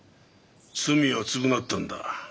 罪は償ったんだ。